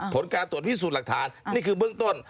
ผลการตรวจพิสูจน์หลักฐานนี่คือเบื้องต้น